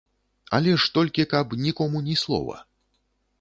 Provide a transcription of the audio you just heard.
Але ж толькі, каб нікому ні слова.